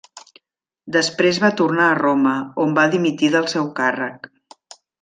Després va tornar a Roma on va dimitir del seu càrrec.